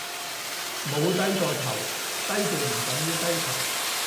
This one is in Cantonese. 冇低過頭，低調唔等於低頭